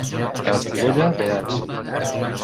A Estivella, beats.